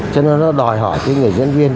cho nên nó đòi hỏi cái người diễn viên